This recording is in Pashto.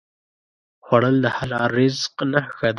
خوړل د حلال رزق نښه ده